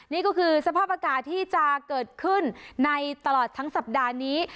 นี่ก็คือสภาพอากาศที่จะเกิดขึ้นในตลอดทั้งสัปดาห์นี้